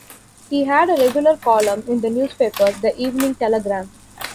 He had a regular column in the newspaper "The Evening Telegram".